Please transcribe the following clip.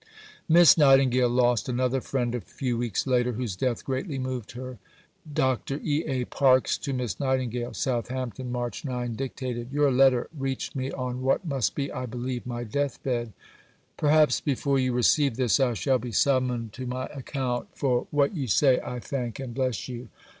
Miss Nightingale lost another friend a few weeks later, whose death greatly moved her: (Dr. E. A. Parkes to Miss Nightingale.) SOUTHAMPTON, March 9 (dictated). Your letter reached me on what must be, I believe, my deathbed. Perhaps before you receive this I shall be summoned to my account. For what you say I thank and bless you.